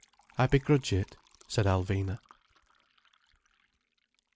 "I begrudge it," said Alvina.